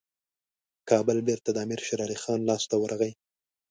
کابل بیرته د امیر شېرعلي خان لاسته ورغی.